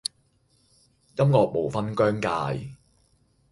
音樂無分彊界